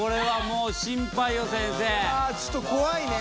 うわぁちょっと怖いね。